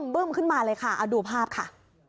บึ้มขึ้นมาเลยค่ะเอาดูภาพค่ะ